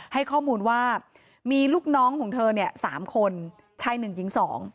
ให้ข้อมูลว่ามีลูกน้องของเธอ๓คนช่าย๑ยิง๒